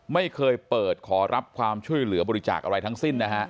ไม่เคยเปิดขอรับความช่วยเหลือบริจาคอะไรทั้งสิ้นนะฮะ